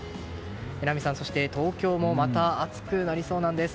榎並さん、東京もまた暑くなりそうなんです。